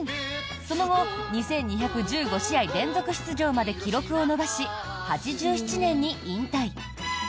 その後２２１５試合連続出場まで記録を伸ばし、８７年に引退。